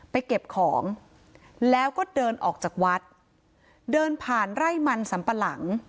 เก็บของแล้วก็เดินออกจากวัดเดินผ่านไร่มันสัมปะหลัง